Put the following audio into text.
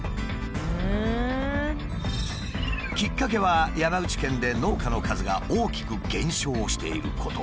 きっかけは山口県で農家の数が大きく減少していること。